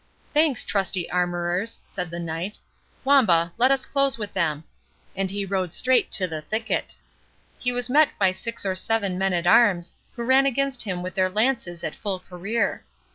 "Thanks, trusty armourers," said the Knight.—"Wamba, let us close with them,"—and he rode straight to the thicket. He was met by six or seven men at arms, who ran against him with their lances at full career.